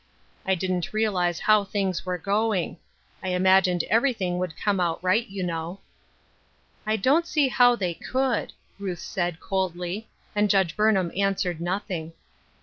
I didn't realize how things were going. I imagined everything would come out right, you know." "I don't see how they could," Ruth said, coldly, and Judge Burnham answered nothing.